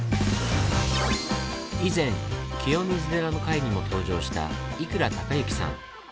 以前「清水寺」の回にも登場した以倉敬之さん。